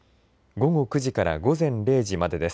午後９時から午前０時までです。